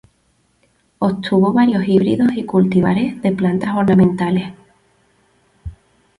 Obtuvo varios híbridos y cultivares de plantas ornamentales.